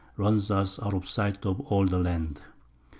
runs us out of sight of all the Land.